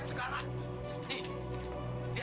saya dobut ya